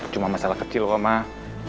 cuma masalah kecil kok mbak